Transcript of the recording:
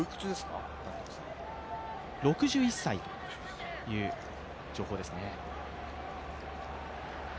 ６１歳ということですね。